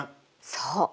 そう。